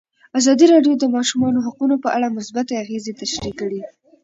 ازادي راډیو د د ماشومانو حقونه په اړه مثبت اغېزې تشریح کړي.